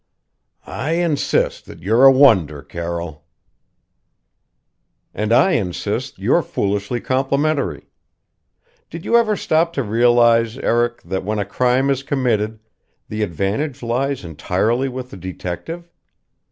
"I insist that you're a wonder, Carroll!" "And I insist that you're foolishly complimentary. Did you ever stop to realize, Eric, that when a crime is committed the advantage lies entirely with the detective?